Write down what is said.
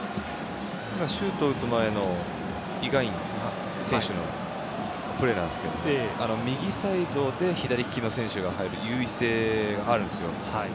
シュートを打つ前のイ・ガンイン選手のプレーなんですが右サイドで左利きの選手が入る優位性があるんです。